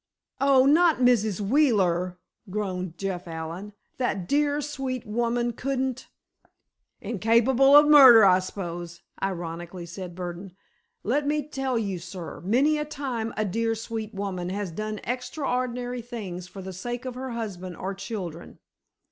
"Oh, not Mrs. Wheeler!" groaned Jeff Allen. "That dear, sweet woman couldn't——" "Incapable of murder, I s'pose!" ironically said Burdon. "Let me tell you, sir, many a time a dear, sweet woman has done extraordinary things for the sake of her husband or children."